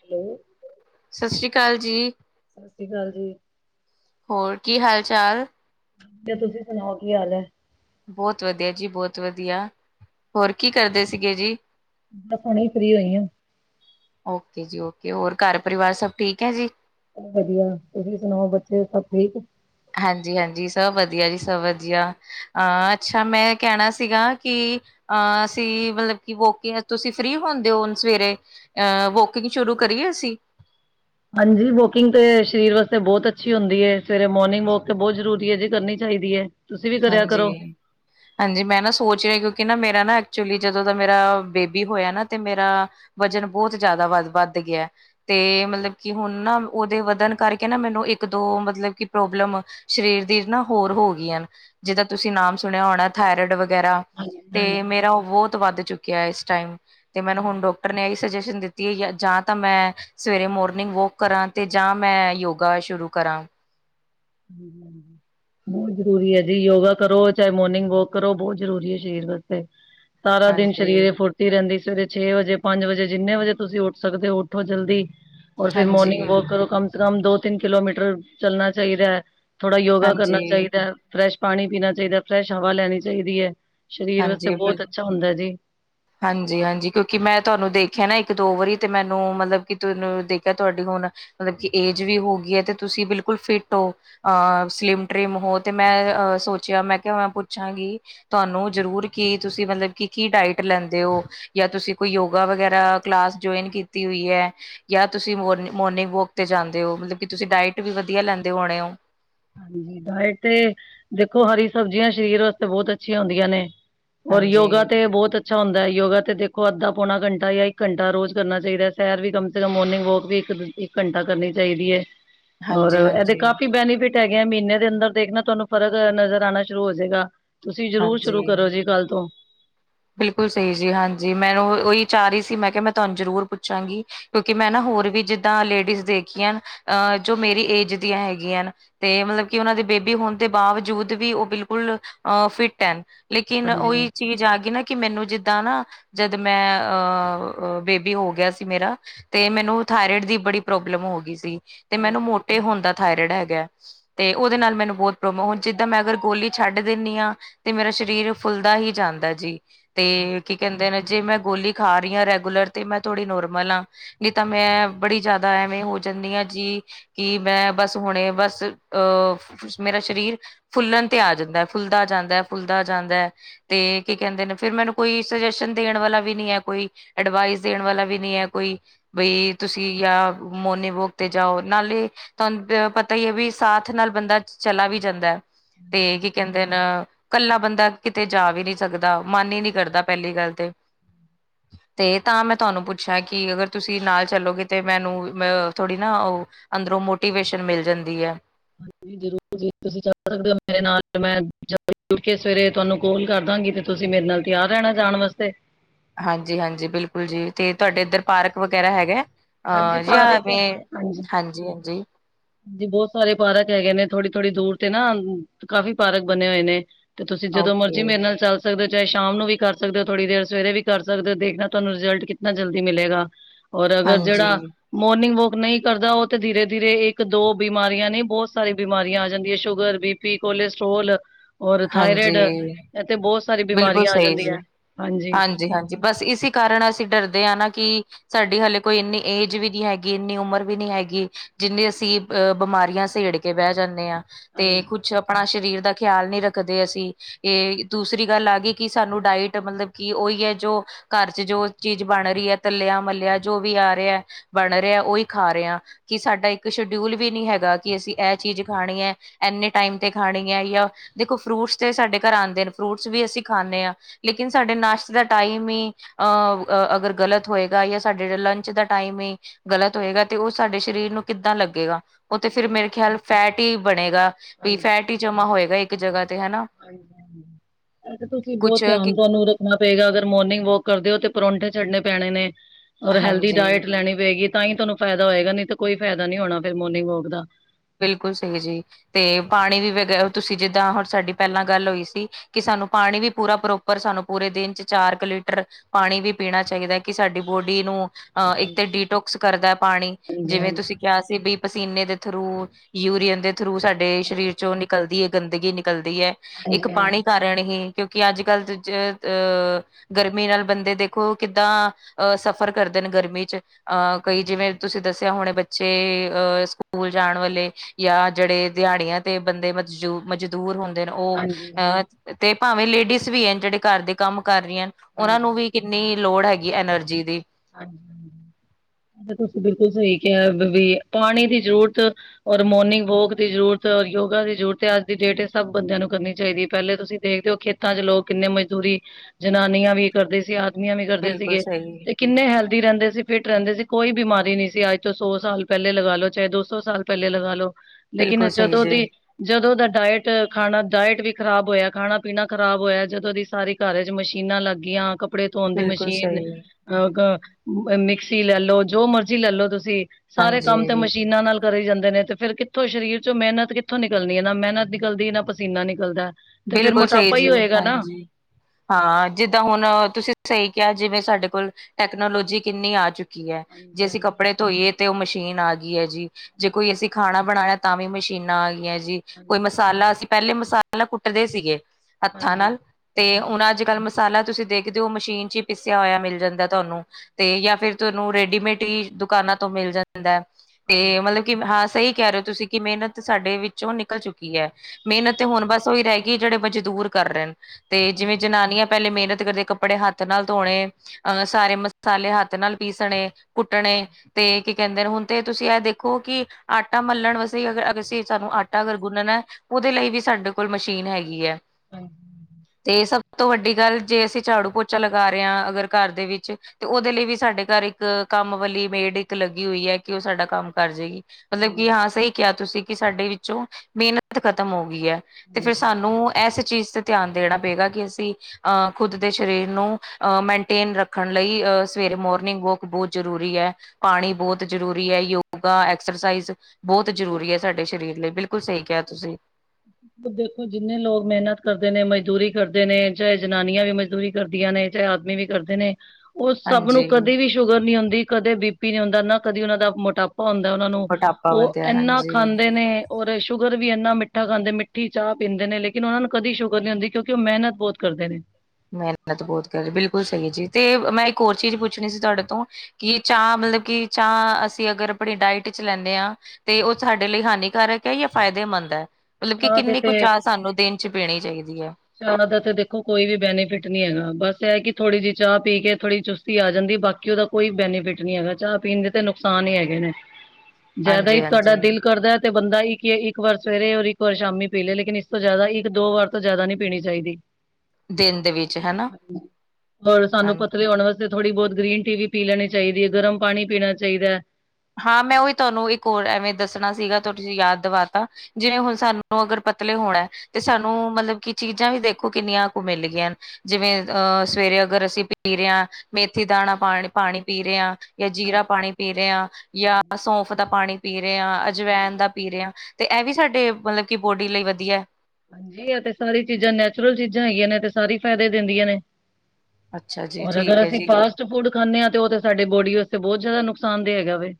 Hello. ਸਾਸਰੀ ਕਾਲ ਜੀ। ਸਾਸੀ ਕਾਲ ਜੀ। ਹੋਰ ਕੀ ਹਾਲ-ਚਾਲ? ਤੇ ਤੁਸੀਂ ਸੁਣਾਓ ਕੀ ਹਾਲ ਐ? ਬੋਤ ਵਦੀਆਂ ਜੀ, ਬੋਤ ਵਦੀਆ, ਹੋਰ ਕੀ ਕਰਦੇ ਸੀਗੇ ਜੀ? ਬਸ ਹੁਣੇ ਫ੍ਰੀ ਹੋਈ ਆ। ਓਕੇ ਜੀ-ਓਕੇ ਹੋਰ ਘਰ ਪਰਿਵਾਰ ਸਬ ਠੀਕ ਐ ਜੀ। ਸਬ ਵਦੀਆਂ ਤੁਸੀਂ ਸੁਣਾਓ, ਬੱਚੇ ਸਬ ਠੀਕ? ਹਾਂਜੀ-ਹਾਂਜੀ ਸਬ ਵਦੀਆ ਜੀ ਸਬ ਵਦੀਆਂ। ਅ ਅੱਛਾ ਮੈਂ ਕੈਣਾ ਸੀਗਾ ਕਿ ਅ ਅਸੀਂ ਮਤਲਬ ਕਿ ਵੋਕੀ ਐ ਤੁਸੀਂ ਫ੍ਰੀ ਹੁੰਦੇ ਓ ਸਵੇਰੇ? ਅ ਵੋਕਿੰਗ ਸ਼ੁਰੂ ਕਰੀਏ ਅਸੀਂ? ਹਾਂਜੀ ਵੋਕਿੰਗ ਤੇ ਸਰੀਰ ਵਾਸਤੇ ਬੋਤ ਅੱਛੀ ਹੁੰਦੀ ਏ ਸਵੇਰੇ ਮੋਰਨਿੰਗ ਵੋਕ ਤੇ ਬੋਤ ਜ਼ਰੂਰੀ ਐ ਜੇ ਕਰਨੀ ਚਾਈਦੀ ਏ। ਹਾਂਜੀ। ਹਾਂਜੀ ਮੈਂ ਨਾ ਸੋਚ ਰਿਆ, ਕਿਉਂਕਿ ਨਾ ਮੇਰਾ ਨਾ ਐਕਚੁਲੀ ਜਦੋਂ ਦਾ ਮੇਰਾ ਬੇਬੀ ਹੋਇਆ ਨਾ ਤੇ ਮੇਰਾ ਵਜ਼ਨ ਬੋਤ ਜੈਦਾ ਵਦ ਵੱਦ ਗਿਆ। ਤੇ ਮਤਲਬ ਕਿ ਹੁਣ ਨਾ ਓਦੇ ਵਦਣ ਕਰਕੇ ਨਾ ਮੈਨੂੰ ਇੱਕ-ਦੋ ਮਤਲਬ ਕਿ ਪ੍ਰੋਬਲਮ ਸ਼ਰੀਰ ਦੀ ਨਾ ਹੋਰ ਹੋਗੀਆ, ਜਿੱਦਾਂ ਤੁਸੀਂ ਨਾਮ ਸੁਣੇਆ ਹੋਣਾ ਥਾਇਰੋਇਡ ਵਗੈਰਾ ਹਾਂਜੀ-ਹਾਂਜੀ, ਤੇ ਹਾਂਜੀ। ਮੇਰਾ ਓ ਬੋਤ ਵੱਦ ਚੁੱਕਿਆ ਇਸ ਟਾਈਮ। ਤੇ ਮੈਨੂੰ ਹਾਂਜੀ ਹੁਣ ਡਾਕਟਰ ਨੇ ਏਹੀ ਸੁਜੈਸ਼ਨ ਦਿੱਤੀ ਐ ਯਾਂ ਤਾਂ ਮੈਂ ਸਵੇਰੇ ਮੋਰਨਿੰਗ ਵੋਕ ਕਰਾਂ, ਤੇ ਜਾਂ ਮੈਂ ਯੋਗਾ ਸ਼ੁਰੂ ਕਰਾਂ। ਹਾਂਜੀ-ਹਾਂਜੀ। ਬੋਤ ਜ਼ਰੂਰੀ ਐ ਜੀ ਯੋਗਾ ਕਰੋ ਚਾਏ ਮੋਰਨਿੰਗ ਵੋਕ ਕਰੋ ਬੋਤ ਜ਼ਰੂਰੀ ਐ ਸ਼ਰੀਰ ਵਾਸਤੇ। ਸਾਰਾ ਦਿਨ ਹਾਂਜੀ ਸ਼ਰੀਰ ਏ ਫੁ ਰਤੀ ਰੈਂਦੀ ਸਵੇਰੇ ਛੇ ਵਜੇ, ਪੰਜ ਵਜੇ ਜਿੰਨੇ ਵਜੇ ਤੁਸੀਂ ਉੱਠ ਸਕਦੇ ਓ ਉਠੋ ਜਲਦੀ ਓਰ ਫਿਰ ਹਾਂਜੀ ਮੋਰਨਿੰਗ ਵੋਕ ਕਰੋ ਕਮ ਸੇ ਕਮ ਦੋ-ਤਿੰਨ ਕਿਲੋਮੀਟਰ ਚਲਨਾ ਚਾਈਦਾ ਐ। ਥੋੜਾ ਯੋਗਾ ਕਰਨਾ ਹਾਂਜੀ ਚਾਈਦਾ, ਫਰੈਸ਼ ਪਾਨੀ ਪੀਨਾ ਚਾਈਦਾ, ਫਰੈਸ਼ ਹਵਾ ਲੈਨੀ ਚਾਈਦੀ ਐ। ਸ਼ਰੀਰ ਵਾਸਤੇ ਹਾਂਜੀ ਬਿਲਕੁਲ ਬੋਤ ਅੱਛਾ ਹੁੰਦਾ ਐ ਜੀ। ਹਾਂਜੀ-ਹਾਂਜੀ ਕਿਉਂਕਿ ਮੈਂ ਤੁ ਆਨੂੰ ਦੇਖਿਆ ਨਾ ਇੱਕ-ਦੋ ਵਾਰੀ ਤੇ ਮੈਨੂੰ ਮਤਲਬ ਕਿ ਤੁਨੂੰ ਦੇਖਿਆ ਤੁਆਡੀ ਹੁਣ ਮਤਲਬ ਕਿ ਏਜ ਵੀ ਹੋ ਗਈ ਐ ਤੇ ਤੁਸੀਂ ਬਿਲਕੁਲ ਫਿੱਟ ਓ। ਅ ਸਲਿਮ ਟ੍ਰਿਮ ਹੋ ਤੇ ਮੈਂ ਅ ਸੋਚਿਆ ਮੈਂ ਕਿ ਮੈਂ ਪੁੱਛਾਂਗੀ ਤੁਆਨੂੰ ਜ਼ਰੂਰ ਕੀ ਤੁਸੀਂ ਮਤਲਬ ਕਿ ਕੀ ਡਾਇਟ ਲੈਂਦੇ ਓ ਯਾਂ ਤੁਸੀਂ ਕੋਈ ਯੋਗਾ ਵਗੈਰਾ ਕਲਾਸ ਜੋਇਨ ਕੀਤੀ ਹੋਈ ਐ ਯਾਂ ਤੁਸੀਂ ਮੋਰਨੀ ਮੋਰਨਿੰਗ ਵੋਕ ਤੇ ਜਾਂਦੇ ਓ ਮਲਬ ਕਿ ਤੁਸੀਂ ਡਾਇਟ ਵੀ ਵਦੀਆ ਲੈਂਦੇ ਹੋਣੇ ਓ। ਹਾਂਜੀ ਡਾਇਟ ਤੇ ਦੇਖੋ ਹਰੀ ਸਬਜ਼ੀਆਂ ਸ਼ਰੀਰ ਵਾਸਤੇ ਬੋਤ ਅੱਛੀਆਂ ਹੁੰਦੀਆਂ ਨੇ ਓਰ ਹਾਂਜੀ, ਯੋਗਾ ਤੇ ਬੋਤ ਅੱ ਛਾ ਹੁੰਦਾ ਐ, ਯੋਗਾ ਤੇ ਦੇਖੋ ਅੱਧਾ-ਪੌਣਾ ਘੰਟਾ ਯਾਂ ਇੱਕ ਘੰਟਾ ਰੋਜ਼ ਕਰਨਾ ਚਾਈਦਾ, ਸੈਰ ਵੀ ਕਮ ਸੇ ਕਮ ਮੋਰਨਿੰਗ ਵੋਕ ਵੀ ਇੱਕ [unintelligible] ਘੰਟਾ ਕਰਨੀ ਚਾਈਦੀ ਐ ਓਰ ਹਾਂਜੀ, ਏਦੇ ਹਾਂਜੀ, ਕਾਫੀ ਬੈਨੀਫਿ ਟ ਹੈਗੇ ਐ ਮ੍ਹੀਨੇ ਦੇ ਅੰਦਰ ਦੇਖਨਾ ਤੁਆਨੂੰ ਫਰਕ ਨਜ਼ਰ ਆਨਾ ਸ਼ੁਰੂ ਹੋ ਜੇਗਾ। ਤੁਸੀਂ ਜ਼ਰੂਰ ਸ਼ੁਰੂ ਹਾਂਜੀ। ਕਰੋ ਜੀ ਕੱਲ ਤੋਂ। ਬਿਲਕੁਲ ਸਈ ਜੀ ਹਾਂਜੀ ਮੈਨੂੰ ਓਈ ਚਾ ਰੀ ਸੀ ਮੈਂ ਕਿਆ ਮੈਂ ਤੁਆਨੂੰ ਜ਼ਰੂਰ ਪੁੱਛਾਂਗੀ। ਕਿਉਂਕਿ ਮੈਂ ਨਾ ਹੋਰ ਵੀ ਜਿੱਦਾਂ ਲੇਡੀਜ਼ ਦੇਖੀਆਂ ਅਨ, ਅਹ ਜੋ ਮੇਰੀ ਏਜ ਦੀਆਂ ਹੈਗੀਆਂ ਨੇ। ਤੇ ਮਤਲਬ ਕਿ ਉਹਨਾਂ ਦੀ ਬੇਬੀ ਹੋਣ ਦੇ ਬਾਵਜੂਦ ਵੀ ਉਹ ਬਿਲਕੁਲ ਅਹ ਫਿਟ ਐ। ਲੇਕਿਨ ਹਾਂਜੀ। ਉਹੀ ਚੀਜ਼ ਆ ਗਈ ਨਾ ਕਿ ਮੈਨੂੰ ਜਿੱਦਾਂ ਨਾ ਜਦ ਮੈਂ ਅਹ ਬੇਬੀ ਹੋ ਗਿਆ ਸੀ ਮੇਰਾ। ਤੇ ਮੈਨੂੰ ਥਾਇਰੋਇਡ ਦੀ ਬੜੀ ਪ੍ਰੋਬਲਮ ਹੋ ਗਈ ਸੀ, ਤੇ ਹਾਂਜੀ ਮੈਨੂੰ ਮੋਟੇ ਹੋਣ ਦਾ ਥਾਇਰਰੋਡ ਹੈਗਾ। ਤੇ ਉਹਦੇ ਨਾਲ ਮੈਨੂੰ ਬਹੁਤ ਪ੍ਰੋਮੋ ਹੁਣ ਜਿੱਦਾਂ ਮੈਂ ਅਗਰ ਗੋਲੀ ਛੱਡ ਦਿੰਨੀ ਹਾਂ ਤੇ ਮੇਰਾ ਸਰੀਰ ਫੁੱਲਦਾ ਹੀ ਜਾਂਦਾ ਜੀ, ਤੇ ਕੀ ਕਹਿੰਦੇ ਨੇ ਜੇ ਮੈਂ ਗੋਲੀ ਖਾ ਰਹੀ ਹਾਂ ਰੈਗੂਲਰ ਤੇ ਮੈਂ ਥੋੜੀ ਨੋਰਮਲ ਆ। ਨਹੀਂ ਤਾਂ ਮੈਂ ਬੜੀ ਜ਼ਿਆਦਾ ਐਵੇਂ ਹੋ ਜਾਂਨੀ ਹਾਂ ਜੀ। ਕਿ ਮੈਂ ਬਸ ਹੁਣੇ ਬਸ ਅਹ ਮੇਰਾ ਸਰੀਰ ਫੁੱਲਣ ਤੇ ਆ ਜਾਂਦਾ ਫੁੱਲਦਾ ਜਾਂਦਾ- ਫੁੱਲਦਾ ਜਾਂਦਾ ਤੇ ਕੀ ਕਹਿੰਦੇ ਨੇ ਫੇਰ ਮੈਨੂੰ ਕੋਈ ਸੁਜੈਸ਼ਨ ਦੇਣ ਵਾਲਾ ਵੀ ਨੀ ਹੈ ਕੋਈ, ਅਡਵਾਈਸ ਦੇਣ ਵਾਲਾ ਵੀ ਨੀ ਹੈ ਕੋਈ। ਬਈ ਤੁਸੀਂ ਜਾਂ ਮੋਨੇ ਵੋਕ ਤੇ ਜਾਓ ਨਾਲੇ ਤੁਹਾਨੂੰ ਪਤਾ ਹੀ ਹੈ ਵੀ ਸਾਥ ਨਾਲ ਬੰਦਾ ਚਲਾ ਵੀ ਜਾਂਦਾ। ਤੇ ਕੀ ਕਹਿੰਦੇ ਨ ਇਕੱਲਾ ਬੰਦਾ ਕਿਤੇ ਜਾ ਵੀ ਨੀ ਸਕਦਾ। ਮਨ ਹੀ ਨੀ ਕਰਦਾ ਪਹਿਲੀ ਗੱਲ ਤੇ, ਤੇ। ਤਾਂ ਮੈਂ ਤੁਹਾਨੂੰ ਪੁੱਛਿਆ ਕਿ ਅਗਰ ਤੁਸੀਂ ਨਾਲ ਚੱਲੋਗੇ ਤੇ ਮੈਨੂੰ ਅ ਥੋੜੀ ਨਾ ਉਹ ਅੰਦਰੋਂ ਮੋਟੀਵੇਸ਼ਨ ਮਿਲ ਜਾਂਦੀ ਐ। ਜ਼ਰੂਰ -ਜਰੂਰ ਤੁਸੀਂ ਜਾ ਸਕਦੇ ਹੋ ਮੇਰੇ ਨਾਲ ਤੇ ਮੈਂ ਜਾਨ ਵੈਲੇ ਸਵੇਰੇ ਤੁਹਾਨੂੰ ਕੋਲ ਕਰ ਦਾਂਗੀ ਫੇਰ। ਤੁਸੀਂ ਮੇਰੇ ਨਾਲ ਤਿਆਰ ਰਹਿਣਾ ਜਾਣ ਵਾਸਤੇ। ਹਾਂਜੀ- ਹਾਂਜੀ ਬਿਲਕੁਲ ਜੀ ਤੇ ਤੁਹਾਡੇ ਇੱਧਰ ਪਾਰਕ ਵਗੈਰਾ ਹੈਗਾ। ਹਾਂਜੀ ਅ ਜਾ ਪਾਰਕ ਫੇਰ ਹਾਂਜੀ- ਹਾਂਜੀ। ਜੀ ਬਹੋਤ ਸਾਰੇ ਪਾਰਕ ਹੈਗੇ ਨੇ ਥੋੜੀ- ਥੋੜੀ ਦੂਰ ਤੇ ਨਾ ਕਾਫ਼ੀ ਪਾਰਕ ਬਣੇ ਹੋਏ ਨੇ। ਤੇ ਤੁਸੀਂ ਜਦੋਂ ਮਰਜ਼ੀ ਓਕੇ ਮੇਰੇ ਨਾਲ ਚੱਲ- ਸਕਦੇ ਹੋ ਚਾਹੇ ਸ਼ਾਮ ਨੂੰ ਵੀ ਕਰ ਸਕਦੇ ਹੋ ਥੋੜੀ ਦੇਰ ਸਵੇਰੇ ਵੀ ਕਰ ਸਕਦੇ ਹੋ ਦੇਖਣਾ ਤੁਹਾਨੂੰ ਰਿਜਲਟ ਕਿਤਨਾ ਜਲਦੀ ਮਿਲੇਗਾ। ਔਰ ਅਗਰ ਹਾਂਜੀ ਜਿਹੜਾ ਮੋਰਨਿੰਗ ਵੋਕ ਨਹੀਂ ਕਰਦਾ ਉਹ ਤੇ ਧੀਰੇ- ਧੀਰੇ ਇੱਕ- ਦੋ ਬਿਮਾਰੀਆਂ ਨਈ ਬਹੋਤ ਸਾਰੀ ਬਿਮਾਰੀਆਂ ਆ ਜਾਂਦੀਆਂ। ਸ਼ੂਗਰ ਬੀ ਪੀ ਕੋਲੇਸਟ੍ਰੋਲ ਔਰ ਥਾਇਰਇਡ ਹਾਂਜੀ ਇਥੇ ਬੋਤ ਸ ਸਾਰੀ ਬਿਲਕੁਲ ਬਿਮਾਰੀਆਂ ਆ ਸਹੀ ਜਾਂਦੀਆਂ ਏ, ਹਾਂਜੀ। ਹਾਂਜੀ-ਹਾਂਜੀ ਜੀ ਬਸ ਇਸੀ ਕਾਰਨ ਅਸੀਂ ਡਰਦੇ ਆ ਨਾ ਕਿ ਸਾਡੀ ਹਲੇੇ ਕੋਈ ਇੰਨੀ ਏਜ ਵੀ ਨੀ ਹੈਗੀ ਇੰਨੀ ਉਮਰ ਵੀ ਨੀ ਹੈਗੀ। ਜਿੰਨੀ ਅਸੀਂ ਅਹ ਬਿਮਾਰੀਆਂ ਸੇੜ ਕੇ ਬਹਿ ਜਾਂਦੇ ਆ। ਤੇ ਹਾਂਜੀ ਕੁਛ ਆਪਣਾ ਸਰੀਰ ਦਾ ਖਿਆਲ ਨੀ ਰੱਖਦੇ ਅਸੀਂ ਇਹ ਦੂਸਰੀ ਗੱਲ ਆ ਗਈ ਕਿ ਸਾਨੂੰ ਡਾਇਟ ਮਤਲਬ ਕਿ ਉਹੀ ਐ ਜੋ ਘਰ ਚ ਜੋ ਚੀਜ਼ ਬਣ ਰਹੀ ਐ ਤੱਲਿਆ- ਮੱਲਿਆ ਜੋ ਵੀ ਆ ਰਿਹਾ, ਬਣ ਰਿਹਾ ਉਹੀ ਖਾ ਰਿਹਾ ਆ। ਕਿ ਸਾਡਾ ਇੱਕ ਸ਼ਡਿਊਲ ਵੀ ਨੀ ਹੈਗਾ ਕਿ ਅਸੀਂ ਇਹ ਚੀਜ਼ ਖਾਣੀ ਐ। ਇੰਨੇ ਟਾਈਮ ਤੇ ਖਾਣੀ ਐ ਜਾਂ ਦੇਖੋ ਫਰੂਟਸ ਤੇ ਸਾਡੇ ਘਰ ਆਦੇ ਨੇ ਫਰੂਟ ਸ ਵੀ ਅਸੀਂ ਖਾਂਦੇ ਆ ਲੇਕਿਨ ਸਾਡੇ ਨਾਸ਼ਟ ਦਾ ਟਾਈਮ ਈ ਅ ਅਗਰ ਗਲਤ ਹੋਏਗਾ ਜਾਂ ਸਾਡੇ ਜਿਹ ਲੰਚ ਦਾ ਟਾਈਮ ਈ ਗ਼ਲਤ ਹੋਏਗਾ ਤੇ ਉਹ ਸਾਡੇ ਸਰੀਰ ਨੂੰ ਕਿੱਦਾਂ ਲੱਗੇਗਾ। ਉਹ ਤੇ ਫੇਰ ਮੇਰੇ ਖਿਆਲ ਫੈਟ ਹੀ ਬਣੇਗਾ ਵੀ ਫੈਟ ਹੀ ਜਮਾ ਹੋਏਗਾ ਇੱਕ ਜਗਾ ਤੇ ਹੈਨਾ। ਹਾਂ ਇੱਕ ਤਾਂ ਤੁਸੀਂ ਬੋਤ ਕੁਛ ਕਿ ਧਿਆਨ ਥੋਹਾਨੂੰ ਰਖ ਣਾ ਪਏਗਾ ਅਗਰ ਮੋਰਨਿੰਗ ਵੋਕ ਕਰਦੇ ਹੋ ਤੇ ਪਰੌਂਠੇ ਛੱਡਣੇ ਪੈਣੇ ਨੇ ਔਰ ਹੈਲਦੀ ਹਾਂਜੀ ਡਾਇਟ ਲੈਣੀ ਪਏਗੀ। ਤਾਂ ਈ ਤੁਹਾਨੂੰ ਫਾਇਦਾ ਹੋਏਗਾ ਨੀ ਤੇ ਕੋਈ ਫਾਇਦਾ ਨੀ ਹੋਣਾ ਫੇਰ ਮੋਰਨਿੰਗ ਵੋਕ ਦਾ। ਬਿਲਕੁਲ ਸਹੀ ਜੀ, ਤੇ ਪਾਣੀ ਵੀ ਵੈਗ ਤੁਸੀਂ ਜਿੱਦਾਂ ਹੁਣ ਸਾਡੀ ਪਹਿਲਾਂ ਗੱਲ ਹੋਈ ਸੀ। ਕਿ ਸਾਨੂੰ ਪਾਣੀ ਵੀ ਪੂਰਾ ਪ੍ਰੋਪਰ ਸਾਨੂੰ ਪੂਰੇ ਦਿਨ ਚ ਚਾਰ ਕ ਲੀਟਰ ਪਾਣੀ ਵੀ ਪੀਣਾ ਚਾਈਦੈ ਕਿ ਸਾਡੀ ਬੋਡੀ ਨੂੰ ਅ ਇੱਕ ਹਾਂਜੀ ਤੇ ਡੀਟੋਕਸ ਕਰਦੈ ਪਾਣੀ ਹਾਂਜੀ ਜਿਵੇਂ ਹਾਂਜੀ ਤੁਸੀਂ ਕਿਆ ਸੀ ਵਈ ਪਸੀਨੇ ਦੇ ਥਰੂ ਯੂਰੀਅਨ ਦੇ ਥਰੂ ਸਾਡੇ ਹਾਂਜੀ ਸ਼ਰੀਰ ਚੋਂ ਨਿਕਲਦੀ ਏ ਗੰਦਗੀ ਨਿਕਲਦੀ ਏ, ਇੱਕ ਹਾਂਜੀ ਪਾਣੀ ਕਾਰ ਕਾਰਨ ਹੀ ਕਿਉਂਕਿ ਅੱਜ-ਕੱਲ ਅ ਗਰਮੀ ਨਾਲ ਬੰਦੇ ਦੇਖੋ ਕਿੱਦਾਂ ਅ ਸਫਰ ਕਰਦੇ ਨੇ ਗਰਮੀ ਚ ਅ ਕਈ ਜਿਵੇਂ ਤੁਸੀਂ ਦੱਸੇਆ ਹੁਣੇ ਬੱਚੇ ਅ ਸਕੂਲ ਜਾਣ ਵਾਲੀ ਯਾ ਜੇੜੇ ਦੇਆੜੀਆਂ ਤੇ ਬੰਦੇ ਮੂਜ਼ਦ-ਮਜ਼ਦੂਰ ਹੁੰਦੇ ਨੇ ਓ ਹਾਂਜੀ ਹਾਂਜੀ ਅ ਤੇ ਭਾਵੇਂ ਲੇਡੀਸ ਵੀ ਐ ਜੇੜੇ ਘਰ ਦੇ ਕੰਮ ਕਰ ਰਈਆਂ ਹਨ ਓਨਾਂ ਨੂੰ ਵੀ ਕਿੰਨੀ ਲੋੜ ਹੈਗੀ ਐਨਰਜੀ ਦੀ। ਹਾਂਜੀ-ਹਾਂਜੀ ਏ ਤਾਂ ਤੁਸੀਂ ਬਿਲਕੁਲ ਸਈ ਕਿਆ ਬ ਬਈ ਪਾਣੀ ਦੀ ਜਰੂਰਤ ਔਰ ਮੋਰਨਿੰਗ ਵੋਕ ਦੀ ਜ਼ਰੂਰਤ ਔਰ ਯੋਗਾ ਦੀ ਜਰੂਰਤ ਆ ਅੱਜ ਦੀ ਡੇਟ ਏ ਸਬ ਬੰਦੇਆਂ ਨੂੰ ਕਰਨੀ ਚਾਈਦੀ ਐ ਪੈਲੇ ਤੁਸੀਂ ਦੇਖਦੇ ਹੋ ਖੇਤ ਤਾਂ ਚ ਲੋਕ ਕਿੰਨੇ ਮਜ਼ਦੂਰੀ ਜਨਾਨੀਆਂ ਵੀ ਕਰਦੇ ਸੀ, ਆਦਮੀਆਂ ਵੀ ਕਰਦੇ ਬਿਲਕੁਲ ਸੀਗੇ‌। ਸਹੀ ਕਿੰਨੇ ਹੈਲਦੀ ਰੈਂਦੇ ਸੀ ਫਿਟ ਰੈਂਦੇ ਸੀ ਕੋਈ ਬਿਮਾਰੀ ਨੀ ਸੀ ਅੱਜ ਤੋਂ ਸੌ ਸਾਲ ਪੈਲੇ ਲਗਾ ਲੋ ਚਾਹੇ ਦੋ ਸੌ ਸਾਲ ਪੈਲੇ ਲਗਾ ਲੋ ਲੇਕਿਨ ਬਿਲਕੁਲ ਸਹੀ ਜਦੋਂ ਜੀ ਦੀ ਜਦੋਂ ਦਾ ਡਾਇਟ ਖਾਣਾ ਡਾਇਟ ਵੀ ਖਰਾਬ ਹੋਏਆ ਖਾਣਾ-ਪੀਣਾ ਖਰਾਬ ਹੋਏਆ ਜਦੋਂ ਦੀ ਸਾਰੀ ਘਰ ਚ ਮਸ਼ੀਨਾਂ ਲਾਗੀਆਂ ਕੱਪੜੇ ਧੋਣ ਦੀ ਬਿਲਕੁਲ ਮਸ਼ੀਨ ਸਹੀ ਅ ਗ ਅ ਮਿਕਸੀ ਲੈ ਲੋ ਜੋ ਮਰਜੀ ਲੈ ਲੋ ਤੁਸੀਂ ਸਾਰੇ ਕੰਮ ਤੇ ਹਾਂਜੀ ਮਸ਼ੀਨਾਂ ਨਾਲ ਕਰੀ ਜਾਂਦੇ ਨੇ ਤੇ ਫੇਰ ਕਿੱਥੋਂ ਸ਼ਰੀਰ ਚ ਮੇਨਤ ਕਿੱਥੋਂ ਨਿਕਲਨੀ ਐ ਨਾ ਮੇਨਤ ਨਿਕਲਦੀ ਨਾ ਪਸੀਨਾ ਨਿਕਲਦਾ ਐ। ਬਿਲਕੁਲ ਸਈ ਜੀ, ਹਾਂਜੀ। ਹਾਂ ਜਿੱਦਾਂ ਹੁਨ ਤੁਸੀਂ ਸਈ ਕਿਆ ਜਿਵੇਂ ਸਾਡੇ ਕੋਲ ਟੈਕਨੋਲੋਜੀ ਕਿੰਨੀ ਆ ਚੁੱ ਕੀ ਐ, ਜੇ ਅਸੀਂ ਕੱਪੜੇ ਧੋਈਏ ਤੇ ਓ ਮਸ਼ੀਨ ਆ ਗੀ ਐ ਜੀ ਜੇ ਕੋਈ ਅਸੀਂ ਖਾਣਾ ਬਨਾਏਆ ਤਾਂ ਵੀ ਮਸ਼ੀਨਾਂ ਆ ਗਈਆਂ ਜੀ। ਕੋਈ ਮਸਾਲਾ ਅਸੀਂ ਪੈਲੇ ਮਸਾਲਾ ਕੁੱਟਦੇ ਸੀਗੇ ਹੱਥਾਂ ਹਾਂਜੀ ਨਾਲ ਤੇ ਹੁਨ ਅੱਜ-ਕੱਲ ਮਸ ਸਾਲਾ ਤੁਸੀਂ ਦੇਖਦੇ ਓ ਮਸ਼ੀਨ ਚ ਈ ਪੀਸੇਆ ਹੋਏਆ ਮਿਲ ਜਾਂਦਾ ਤੁਆਨੂੰ। ਤੇ ਯਾ ਫਿਰ ਤੁਆਨੂੰ ਰੇਡੀਮੇਡ ਈ ਦੁਕਾਨਾਂ ਤੋਂ ਮਿਲ ਜਾਂਦਾ ਤੇ ਮਤਲਬ ਕਿ ਹਾਂ ਸਈ ਕੈ ਰਏ ਓ ਤੁਸੀਂ ਕਿ ਮੇਨਤ ਸਾਡੇ ਵਿੱਚੋਂ ਨਿਕਲ ਚੁੱਕੀ ਐ ਮੇਨਤ ਹੁਨ ਬਸ ਓਈ ਰੈ ਗਈ ਜੇੜੇ ਮਜ਼ਦੂਰ ਕਰ ਰਏ ਨੇ ਤੇ ਹਾਂਜੀ ਜਿਵੇਂ ਜਨਾਨੀਆਂ ਪੈਲੇ ਮੇਨਤ ਕਰਦੀਆ ਕੱਪੜੇ ਹੱਥ ਨਾਲ ਧੋਣੇ ਅ ਸਾਰੇ ਮਸਾਲੇ ਹੱਥ ਨਾਲ ਪੀਸਨੇ, ਕੁੱਟਨੇ ਤੇ ਕੀ ਕੈਂਦੇ ਨੇ ਹੁਨ ਤੇ ਤੁਸੀਂ ਐ ਦੇਖੋ ਕਿ ਆਟਾ ਮੱਲਨ ਵਾਸਤੇ ਈ ਅਗਰ ਅਸੀਂ ਸਾਨੂੰ ਆਟਾ ਅਗਰ ਗੁੰਨਣੈ ਓਦੇ ਲਈ ਵੀ ਸਾਡੇ ਕੋਲ ਮਸ਼ੀਨ ਹੈਗੀ ਐ ਤੇ ਸਬ ਸਬ ਤੋਂ ਵੱਡੀ ਗੱਲ ਜੇ ਅਸੀਂ ਝਾੜੂ ਪੋਚਾ ਲਗਾ ਰਏ ਆਂ ਅਗਰ ਘਰ ਦੇ ਵਿੱਚ ਤੇ ਓਦੇ ਲਈ ਵੀ ਸਾਡੇ ਘਰ ਇੱਕ ਕੰਮ ਵਾਲੀ ਮੇਡ ਇੱਕ ਲੱਗੀ ਹੋਈ ਐ ਕਿ ਓ ਸਾਡਾ ਕੰਮ ਕਰ ਜੇ ਗੀ। ਮਤਲਬ ਕਿ ਹਾਂ ਸਈ ਕਿਆ ਤੁਸੀਂ ਕਿ ਸਾਡੇ ਵਿੱਚੋਂ ਮੇਨਤ ਖਤਮ ਹੋ ਗੀ ਐ ਤੇ ਫਿਰ ਸਾਨੂੰ ਐਸੇ ਚੀਜ਼ ਤੇ ਧਿਆਨ ਦੇਣਾ ਪਏਗਾ ਕਿ ਅਸੀਂ ਅ ਖੁਦ ਦੇ ਸ਼ਰੀਰ ਨੂੰ ਅ ਮੈਨਟੇਨ ਰੱਖਨ ਲਈ ਅ ਸਵੇਰੇ ਮੋਰਨਿੰਗ ਵੌਕ ਬੋਹ ਜ਼ਰੂਰੀ ਐ। ਪਾਣੀ ਬੋਤ ਜ਼ਰੂਰੀ ਐ ਜੀ। ਯੋਗਾ ਐਕਸਰਸਾਈਜ਼ ਬੋਤ ਜ਼ਰੂਰੀ ਐ ਸਾਡੇ ਸ਼ਰੀਰ ਲਈ ਬਿਲਕੁਲ ਸਈ ਕਿਆ ਤੁਸੀਂ। ਓ ਦੇਖੋ ਜਿੰਨੇ ਲੋਕ ਮੇਨਤ ਕਰਦੇ ਨੇ ਮਜ਼ਦੂਰੀ ਕਰਦੇ ਨੇ ਚਾਏ ਜਨਾਨੀਆਂ ਵੀ ਮਜ਼ਦੂਰੀ ਕਰਦੀਆਂ ਨੇ ਚਾਏ ਆਦਮੀ ਵੀ ਕਰਦੇ ਨੇ ਓ ਸਬ ਨੂੰ ਹਾਂਜੀ ਕਦੀ ਵੀ ਸ਼ੂਗਰ ਨੀ ਹੁੰਦੀ ਕਦੇ ਬੀ ਪੀ ਨੀ ਹੁੰਦਾ ਨਾ ਕਦੀ ਓਨਾਂ ਦਾ ਮੋਟਾ ਪਾ ਹੁੰਦਾ ਓਨਾਂ ਨੂੰ ਮੋਟਾਪਾ ਓ ਵਧਿਆ ਇੰਨਾ ਹਾਂਜੀ ਖਾਂਦੇ ਨੇ ਔਰ ਸ਼ੂਗਰ ਵੀ ਇੰਨਾ ਮਿੱ ਮਿੱਠਾ ਖਾਂਦੇ ਮਿੱਠੀ ਚਾ ਪੀਂਦੇ ਨੇ ਲੇਕਿਨ ਓਨਾਂ ਨੂੰ ਕਦੀ ਸ਼ੂਗਰ ਨੀ ਹੁੰਦੀ ਕਿਉਕਿ ਓ ਮੈਨਤ ਬੋਤ ਕਰਦੇ ਨੇ। ਮੈਨਤ ਬੋਤ ਕਰ ਬਿਲਕੁਲ ਸਈ ਐ ਜੀ ਤੇ ਮੈਂ ਇੱਕ ਹੋਰ ਚੀਜ਼ ਪੁੱਛਣੀ ਸੀ ਤੁਆਡੇ ਤੋਂ ਕਿ ਚਾਹ ਮਤਲਬ ਕਿ ਚਾਹ ਅਸੀਂ ਅਗਰ ਆਪਣੀ ਡਾਇਟ ਚ ਲੈਂਦੇ ਹਾਂ ਤੇ ਉਹ ਸਾਡੇ ਲਈ ਹਾਨੀਕਾਰਕ ਹੈ ਜਾਂ ਫਾਇਦੇਮੰਦ ਐ। ਮਤਲਬ ਕਿ ਚਾਹ ਦੇ ਕਿੰਨੀ ਕੁ ਤੇ ਚਾਹ ਸਾਨੂੰ ਦਿਨ 'ਚ ਪੀਣੀ ਚਾਹੀਦੀ ਹੈ। ਚਾਹ ਦਾ ਤੇ ਦੇਖੋ ਕੋਈ ਵੀ ਬੈਨੀਫਿਟ ਨੀ ਹੈਗਾ ਬਸ ਇਹ ਕਿ ਥੋੜੀ ਜਿਹੀ ਚਾਹ ਪੀ ਕੇ ਥੋੜ੍ਹੀ ਸੀ ਚੁ ਤੀ ਆ ਜਾਂਦੀ ਬਾਕੀ ਉਹਦਾ ਕੋਈ ਬੈਨੀਫਿਟ ਨਹੀਂ ਹੈਗਾ ਚਾਹ ਪੀਣ ਦੇ ਤੇ ਨੁਕਸਾਨ ਹੀ ਹੈਗੇ ਨੇ। [inaudible] ਜ਼ਿਆਦਾ ਹੀ ਤੁਹਾਡਾ ਹਾਂਜੀ ਦਿਲ ਕਰਦਾ ਹੈ ਤੇ ਬੰਦਾ ਇੱਕ ਇੱਕ ਵਾਰ ਸਵੇਰੇ ਰ ਇੱਕ ਇੱਕ ਵਾਰ ਸ਼ਾਮੀ ਪੀ ਲਏ ਲੇਕਿਨ ਇਸ ਤੋਂ ਜ਼ਿਆਦਾ ਇੱਕ ਦੋ ਵਾਰ ਤੋਂ ਜ਼ਿਆਦਾ ਨੀ ਪੀਣੀ ਚਾਹੀਦੀ। ਦਿਨ ਦੇ ਵਿੱਚ ਹਨਾ ਹਾਂਜੀ ਹੋਰ ਸਾਨੂੰ ਹਾਂਜੀ ਪਤਲੇ ਆਉਣ ਵਾਸਤੇ ਥੋੜ੍ਹੀ ਬਹੁਤ ਗਰੀਨ ਟੀ ਵੀ ਪੀ ਲੈਣੀ ਚਾਹੀਦੀ ਹੈ ਗਰਮ ਪਾਣੀ ਪੀਣਾ ਚਾਹੀਦਾ ਹੈ। ਹਾਂ ਮੈਂ ਉਹੀ ਤੁਹਾਨੂੰ ਇੱਕ ਹੋਰ ਐਵੇਂ ਦੱਸਣਾ ਸੀਗਾ ਤੁਹਾਡਾ ਯਾਦ ਦਿਵਾ ਤਾ ਜਿਵੇਂ ਹੁਣ ਸਾਨੂੰ ਅਗਰ ਪਤਲੇ ਹੋਣਾ ਤੇ ਸਾਨੂੰ ਮਤਲਬ ਕਿ ਚੀਜ਼ਾਂ ਵੀ ਦੇਖੋ ਕਿੰਨੀਆਂ ਕੁ ਮਿਲ ਗਈਆਂ ਜਿਵੇਂ ਅਹ ਸਵੇਰੇ ਅਗਰ ਅਸੀਂ ਪੀ ਰਹੇ ਹਾਂ ਮੇਥੀ ਦਾਣਾ ਪਾਣੀ ਪਾਣੀ ਪੀ ਰਹੇ ਹਾਂ। ਜਾਂ ਜੀਰਾ ਪਾਣੀ ਪੀ ਰਹੇ ਹਾਂ ਜਾਂ ਸੌਫ ਦਾ ਪਾਣੀ ਪੀ ਰਹੇ ਹਾਂ ਅਜਵੈਨ ਦਾ ਪੀ ਰਹੇ ਹਾਂ ਤੇ ਇਹ ਵੀ ਸਾਡੇ ਮਤਲਬ ਕਿ ਬੋਡੀ ਲਈ ਵਧੀਆ। ਹਾਂਜੀ ਆ ਤੇ ਸਾਰੀ ਚੀਜ਼ਾਂ ਨੈਚੁਰਲ ਚੀਜ਼ਾਂ ਹਾਗੀਏ ਨੇ ਸਾਰੀ ਫਾਇਦੇ ਦਿੰਦੀਆਂ ਨੇ। ਅੱਛਾ ਜੀ ਔਰ ਅਗਰ ਠੀਕ ਹੈ ਅਸੀਂ ਜੀ ਪਾਸ ਫੂਡ ਖਾਂਦੇ ਆਂ ਉਹ ਤਾਂ ਸਾਡੇ ਬੋਡੀ ਵਾਸਤੇ ਬਹੁਤ ਜ਼ਿਆਦਾ ਨੁਕਸਾਨ ਦੇ ਹੈਗਾ ਵ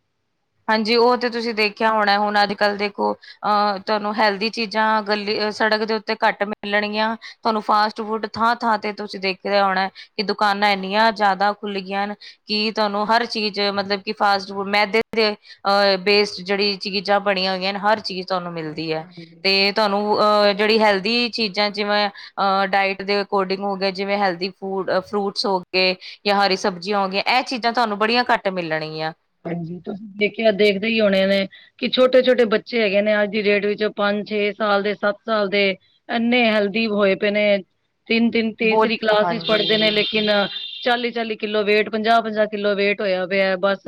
ਹਾਂਜੀ ਉਹ ਤੇ ਤੁਸੀਂ ਦੇਖਿਆ ਹੋਣਾ ਹੁਣ ਅੱਜ ਕੱਲ੍ਹ ਦੇਖੋ ਅਹ ਤੁਹਾਨੂੰ ਹੈਲਦੀ ਚੀਜ਼ਾਂ ਗਲੀ ਸੜਕ ਦੇ ਉੱਤੇ ਘੱਟ ਮਿਲਣਗੀਆਂ ਤੁਹਾਨੂੰ ਫਾਸਟ ਫੂਡ ਥਾਂ-ਥਾਂ ਤੇ ਤੁਸੀਂ ਦੇਖਿਆ ਹੋਣਾ ਕਿ ਦੁਕਾਨਾਂ ਇੰਨੀਆਂ ਜੀਆਦਾ ਖੁੱਲ ਗਈਆਂ ਹਨ ਕਿ ਤੁਹਾਨੂੰ ਹਰ ਚੀਜ਼ ਮਤਲਬ ਕਿ ਫਾਸਟ ਫੂਡ ਮੈਂ ਅਹ ਬੇਸਡ ਜਿਹੜੀ ਚੀਜ਼ਾਂ ਬਣੀਆਂ ਹੋਈਆਂ ਨੇ ਹਰ ਚੀਜ਼ ਤੁਹਾਨੂੰ ਮਿਲਦੀ ਹੈ ਤੇ ਤੁਹਾਨੂੰ ਅਹ ਜਿਹੜੀ ਹੈਲਦੀ ਚੀਜ਼ਾਂ ਜਿਵੇਂ ਅ ਡਾਇਟ ਦੇ ਅਕੋਰਡਿੰਗ ਹੋ ਗ ਜਿਵੇਂ ਹੈਲਦੀ ਫੂਡ ਫਰੂਟਸ ਹੋ ਗਏ ਜਾਂ ਹਰੀ ਸਬਜ਼ੀਆਂ ਹੋ ਗਈਆਂ ਇਹ ਚੀਜ਼ਾਂ ਤੁਹਾਨੂੰ ਬੜੀਆਂ ਘੱਟ ਮਿਲਣਗੀਆਂ। ਹਾਂਜੀ ਤੁਸੀਂ ਦੇਖਿਆ ਦੇਖਦੇ ਹੀ ਹੋਣੇ ਨੇ। ਕਿ ਛੋਟੇ ਛੋਟੇ ਬੱਚੇ ਹੈਗੇ ਨੇ ਅੱਜ ਦੀ ਡੇਟ ਵਿੱਚ ਪੰਜ ਛੇ ਸਾਲ ਦੇ ਸੱਤ ਸਾਲ ਦੇ ਇੰਨੇ ਹਲਦੀ ਹੋਏ ਪਏ ਨੇ ਤਿੰਨ ਤਿੰਨ ਬਹੁਤ ਤੀਸਰੀ ਕਲਾਸ ਪੜ੍ਹਦੇ ਨੇ ਹਾਂਜੀ ਲੇਕਿਨ ਚਾਲੀ -ਚਾਲੀ ਕਿੱਲੋ ਵੇਟ ਪੰਜਾਹ -ਪੰਜਾਹ ਕਿੱਲੋ ਵੇਟ ਹੋਇਆ ਪਇਆ ਬਸ ਬਸ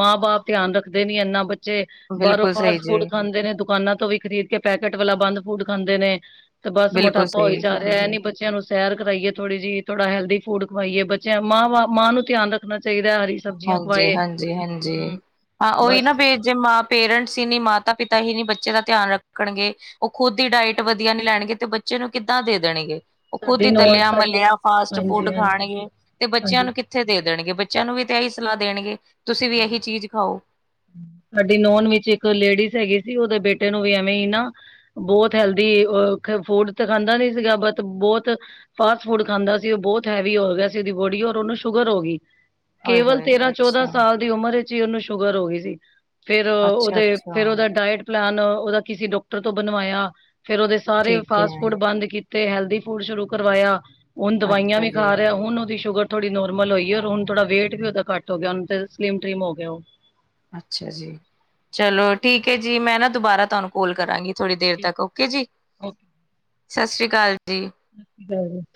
ਮਾਂ ਬਾਪ ਧਿਆਨ ਰੱਖਦੇ ਨੀ ਇੰਨਾ ਬ ਤੇ ਬਾਹਰੋਂ ਬਿਲਕੁਲ ਸਹੀ ਫਾਸਟ ਜੀ ਫੂਡ ਖਾਂਦੇ ਨੇ ਦੁਕਾਨਾਂ ਤੋਂ ਵੀ ਖਰੀਦ ਕੇ ਪੈਕੇਟ ਵਾਲਾ ਬੰਦ ਫੂਡ ਖਾਂਦੇ ਨੇ। ਤੇ ਬਸ ਬਿਲਕੁਲ ਮੋਟਾਪਾ ਹੋਈ ਸਹੀ ਜਾ ਰਿਹਾ ਏਹ ਹਾਂਜੀ ਨੀ ਬੱਚਿਆਂ ਨੂੰ ਸੈਰ ਕਰਵਾਈਏ ਥੋੜੀ ਜਿਹੀ ਥੋੜ੍ਹਾ ਹੈਲਦੀ ਫੂਡ ਖਾਵਾਈਏ ਬੱਚਿਆਂ ਮਾਂਵਾਂ ਮਾਂ ਨੂੰ ਧਿਆਨ ਰੱਖਣਾ ਚਾਹੀਦਾ ਹੈ ਹਰੀ ਸਬਜ਼ੀਆਂ ਤੇ ਖਵਾਏ ਹਾਂਜੀ -ਹਾਂਜੀ ਹੂੰ ਹਾਂ ਉਹੀ ਬਸ ਨਾ ਫਿਰ ਜੇ ਮਾਂ ਪੇਰੈਂਟਸ ਹੀ ਨੀ ਮਾਤਾ ਪਿਤਾ ਹੀ ਨੀ ਬੱਚੇ ਦਾ ਧਿਆਨ ਰੱਖਣਗੇ ਉਹ ਖੁਦ ਦੀ ਡਾਇਟ ਵਧੀਆ ਨਹੀਂ ਲੈਣਗੇ ਤੇ ਬੱਚੇ ਨੂੰ ਕਿੱਦਾਂ ਦੇ ਦੇਣਗੇ ਉਹ ਖੁਦ ਹੀ ਤਲਿਆ -ਮਲਿਆ ਫਾਸਟ ਫੂਡ ਖਾਣਗੇ ਤੇ ਬੱਚਿਆਂ ਨੂੰ ਕਿੱਥੇ ਦੇ ਦੇਣਗੇ ਬੱਚਿਆਂ ਨੂੰ ਵੀ ਤੇ ਇਹੀ ਸਲਾਹ ਦੇਣਗੇ ਤੁਸੀਂ ਵੀ ਇਹੀ ਚੀਜ਼ ਖਾਓ। ਸਾਡੀ ਨੋਨ ਵਿੱਚ ਇੱਕ ਲੇਡੀਜ਼ ਹੈਗੀ ਸੀ ਉਹਦੇ ਬੇਟੇ ਨੂੰ ਵੀ ਐਵੇਂ ਹੀ ਨਾ ਬਹੁਤ ਹੈਲਦੀ ਅ ਫੂਡ ਤਾਂ ਖਾਂਦਾ ਨੀ ਸੀਗਾ ਬਸ ਬਹੁਤ ਫਾਸਟ ਫੂਡ ਖਾਂਦਾ ਸੀ ਉਹ ਬਹੁਤ ਹੈਵੀ ਹੋ ਗਿਆ ਸੀ ਉਹਦੀ ਬੋਡੀ ਔਰ ਉਹਨੂੰ ਸ਼ੂਗਰ ਹੋ ਗਈ। ਆਏ ਕੇਵਲ ਹਾਏ ਤੇਰਾਂ ਚੌਦਾਂ ਅੱਛਾ ਸਾਲ ਦੀ ਉਮਰ ਵਿੱਚ ਹੀ ਉਹਨੂੰ ਸ਼ੂਗਰ ਹੋ ਗਈ ਸੀ, ਫਿਰ ਅੱਛਾ ਉਹਦੇ ਅੱਛਾ ਫੇਰ ਉਹਦਾ ਡਾਇਟ ਪਲੈਨ ਉਹਦਾ ਕਿਸੀ ਡਾਕਟਰ ਤੋਂ ਬਣਵਾਇਆ, ਫੇਰ ਉਹਦੇ ਸਾਰੇ ਠੀਕ ਫਾਸਟ ਫੂਡ ਹੈ ਬੰਦ ਕੀ ਤੇ ਹੈਲਦੀ ਫੂਡ ਸ਼ੁਰੂ ਕਰਵਾਇਆ, ਹੁਣ ਦਵਾਈਆਂ ਅੱਛਾ ਵੀ ਜੀ ਖਾ ਰਿਹਾ ਹੁਣ ਉਹਦੀ ਸ਼ੂਗਰ ਥੋੜ੍ਹੀੋ ਨੋਰਮਲ ਹੋਈ ਐ, ਔਰ ਹੁਣ ਥੋੜਾ ਵੇਟ ਵੀ ਉਹਦਾ ਘੱਟ ਹੋ ਗਿਆ ਹੁਣ ਤੇ ਸਲਿਮ ਟਰਿਮ ਹੋ ਗਿਆ ਉਹ ਅੱਛਾ ਜੀ ਚਲੋ ਠੀਕ ਹੈ ਜੀ ਮੈਂ ਨਾ ਦੁਬਾਰਾ ਤੁਹਾਨੂੰ ਕੋਲ ਕਰਾਂਗੀ। ਥੋੜ੍ਹੀ ਦੇਰ ਤੱਕ ਓਕੇ ਜੀ, ਸਤਿ ਸ੍ਰੀ ਅਕਾਲ ਜੀ। [unintelligible]